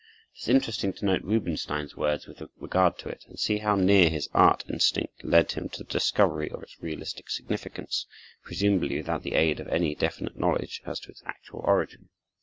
It is interesting to note Rubinstein's words with regard to it, and to see how near his art instinct led him to the discovery of its realistic significance, presumably without the aid of any definite knowledge as to its actual origin.